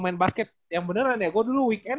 main basket yang beneran ya gue dulu weekend